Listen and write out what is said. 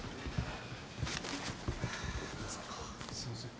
すいません。